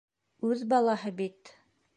Үҙ балаһы бит.